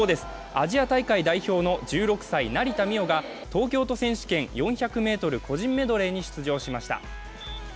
アジア大会代表の１６歳・成田実生が東京都選手権４００ｍ個人メドレーに出場しました。